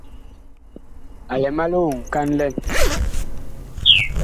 A lɛ ma lioŋ kan lɛn.